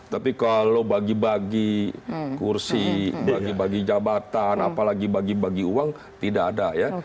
tapi kalau bagi bagi kursi bagi bagi jabatan apalagi bagi bagi uang tidak ada ya